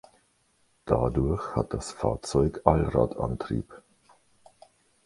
Dadurch hat das Fahrzeug Allradantrieb.